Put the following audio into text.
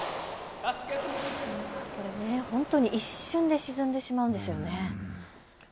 本当に一瞬で沈んでしまうんですよね。